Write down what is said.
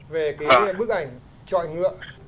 về cái bức ảnh chọi ngựa